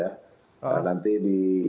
nah nanti di